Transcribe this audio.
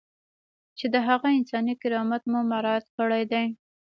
چې د هغه انساني کرامت مو مراعات کړی دی.